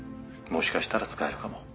もしかしたら使えるかも。